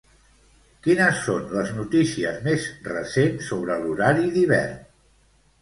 Quines són les notícies més recents sobre l'horari d'hivern?